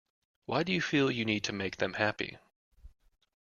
Why do you feel you need to make them happy?